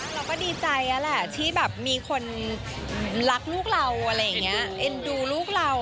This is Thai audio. เราก็ดีใจอะแหละที่มีคนรักลูกเราเอ็นดูลูกเรา